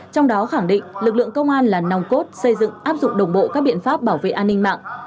trong đó khẳng định lực lượng công an là nòng cốt xây dựng áp dụng đồng bộ các biện pháp bảo vệ an ninh mạng